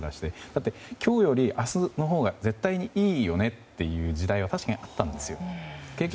だって今日より明日のほうが絶対にいいよねという時代は確かにあったんですよね。